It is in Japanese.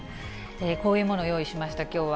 こういうものを用意しました、きょうは。